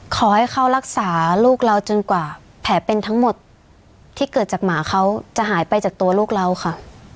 ขอให้เขารักษาลูกเราจนกว่าแผลเป็นทั้งหมดที่เกิดจากหมาเขาจะหายไปจากตัวลูกเราค่ะ